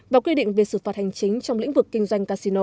và quy định về sự phạt hành chính trong lĩnh vực kinh doanh casino